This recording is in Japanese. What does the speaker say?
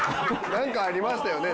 なんかありましたよね